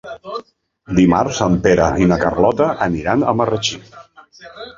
Dimarts en Pere i na Carlota aniran a Marratxí.